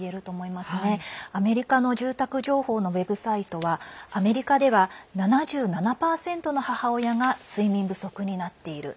アメリカの住宅情報のウェブサイトはアメリカでは７７％の母親が睡眠不足になっている。